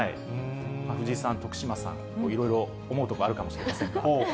藤井さん、徳島さん、いろいろ思うところあるかもしれませんが。